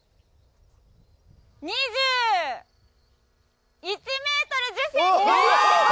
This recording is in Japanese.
２１ｍ１０ｃｍです！